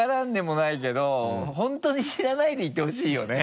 本当に知らないでいてほしいよね。